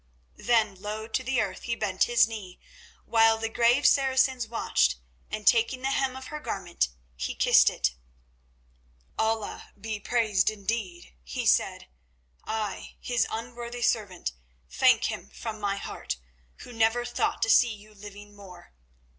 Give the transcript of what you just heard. Then low to the earth he bent his knee, while the grave Saracens watched, and taking the hem of her garment, he kissed it. "Allah be praised indeed!" he said. "I, His unworthy servant, thank Him from my heart, who never thought to see you living more.